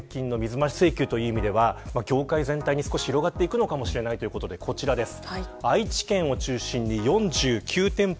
そして保険金の水増し請求という意味では、業界全体に広がっていくのかもしれないということでこちらです。